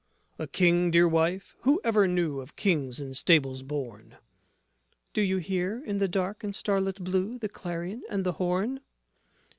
JOSEPH A King, dear wife. Who ever knew Of Kings in stables born! MARY Do you hear, in the dark and starlit blue The clarion and the horn?